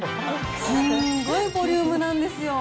すんごいボリュームなんですよ。